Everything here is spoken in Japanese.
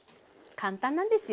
簡単なんですよ。